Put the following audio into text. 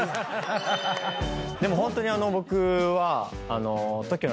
でもホントに僕は。